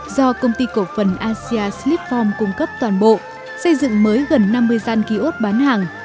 do công ty cổ phần asean slitform cung cấp toàn bộ xây dựng mới gần năm mươi gian ký ốt bán hàng